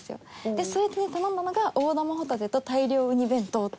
でそれで頼んだのが大玉ほたてと大漁ウニ弁当っていう。